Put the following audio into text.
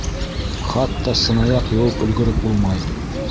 Хатта сынаяҡ йыуып өлгөрөп булмай!